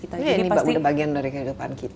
ini udah bagian dari kehidupan kita